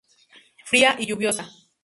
Fría y lluviosa.